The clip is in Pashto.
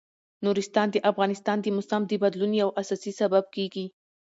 نورستان د افغانستان د موسم د بدلون یو اساسي سبب کېږي.